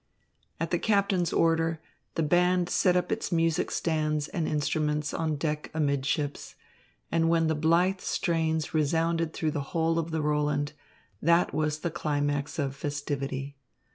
At the captain's order, the band set up its music stands and instruments on deck amidships; and when the blithe strains resounded through the whole of the Roland, that was the climax of festivity.